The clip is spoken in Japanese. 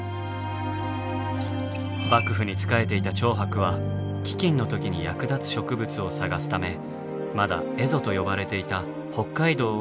幕府に仕えていた長伯は飢饉の時に役立つ植物を探すためまだ蝦夷と呼ばれていた北海道を調査。